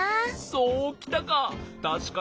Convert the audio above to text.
そうきたか！